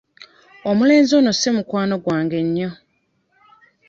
Omulenzi ono si mukwano gwange nnyo.